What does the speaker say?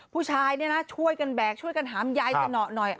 ผู้ชายเนี่ยนะช่วยกันแบกช่วยกันหามยายสนอหน่อย